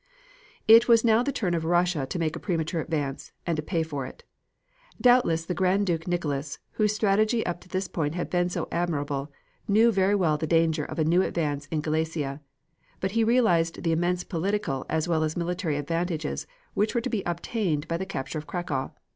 It was now the turn of Russia to make a premature advance, and to pay for it. Doubtless the Grand Duke Nicholas, whose strategy up to this point had been so admirable, knew very well the danger of a new advance in Galicia, but he realized the immense political as well as military advantages which were to be obtained by the capture of Cracow.